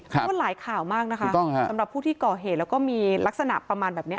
เพราะว่าหลายข่าวมากนะคะสำหรับผู้ที่ก่อเหตุแล้วก็มีลักษณะประมาณแบบนี้